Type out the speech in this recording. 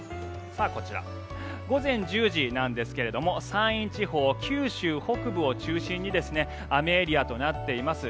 こちら、午前１０時なんですが山陰地方、九州北部を中心に雨エリアとなっています。